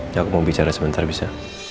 ya aku mau bicara sebentar bisa